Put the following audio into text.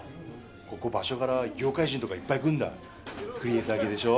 ここ場所柄業界人とかいっぱい来んだクリエーター系でしょ